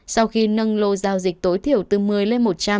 sau khi nâng lô giao dịch tối thiểu từ một mươi lên một trăm linh